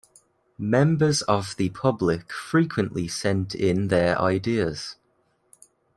Members of the public frequently sent in their ideas.